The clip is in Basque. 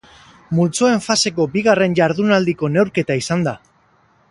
Multzoen faseko bigarren jardunaldiko neurketa izan da.